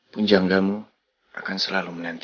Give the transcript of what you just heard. punjanggamu akan selalu menanti